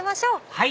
はい！